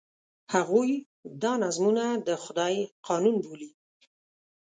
هغوی دا نظمونه د خدای قانون بولي.